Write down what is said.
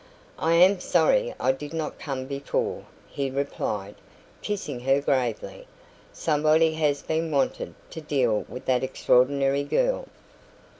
"I am sorry I did not come before," he replied, kissing her gravely. "Somebody has been wanted to deal with that extraordinary girl."